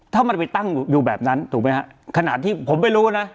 ถ้ามันไปตั้งอยู่แบบนั้นถูกไหมฮะขนาดที่ผมไม่รู้นะ